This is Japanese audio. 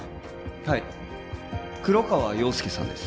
はい黒川陽介さんです